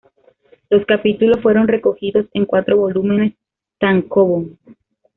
Los capítulos fueron recogidos en cuatro volúmenes tankōbon.